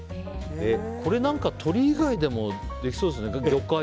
これ鶏以外でもできそうですね。